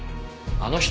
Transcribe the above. あの人？